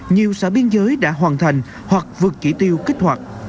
nhiều xã biên giới đã hoàn thành hoặc vượt chỉ tiêu kích hoạt